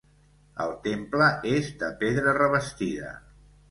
El temple és de pedra, revestida.